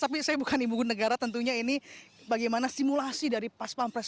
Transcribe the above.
tapi saya bukan ibu negara tentunya ini bagaimana simulasi dari pas pampres